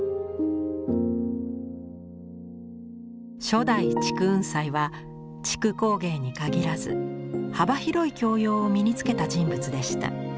初代竹雲斎は竹工芸に限らず幅広い教養を身に付けた人物でした。